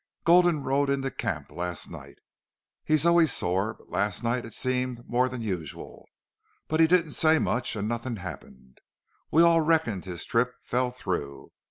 Gulden rode into camp last night. He's always sore, but last night it seemed more'n usual. But he didn't say much an' nothin' happened. We all reckoned his trip fell through.